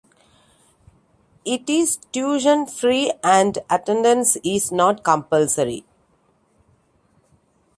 It is tuition-free and attendance is not compulsory.